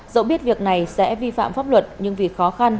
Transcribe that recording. dẫu biết việc này sẽ vi phạm pháp luật nhưng vì khó khăn